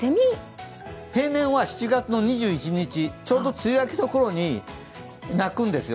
平年は７月２１日、ちょうど梅雨明けのころに鳴くんです。